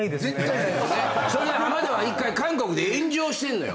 それで浜田は１回韓国で炎上してんのよ。